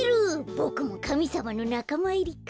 ボクもかみさまのなかまいりか。